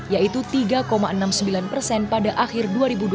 yaitu tiga enam puluh sembilan persen pada akhir dua ribu dua puluh